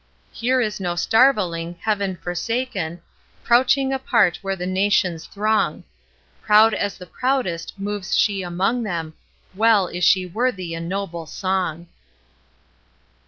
Here is no starveling Heaven forsaken Crouching apart where the Nations throng; Proud as the proudest moves she among them Well is she worthy a noble song!